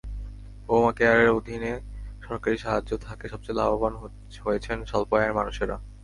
ওবামাকেয়ারের অধীনে সরকারি সাহায্য থাকায় সবচেয়ে লাভবান হয়েছেন স্বল্প আয়ের মানুষেরা।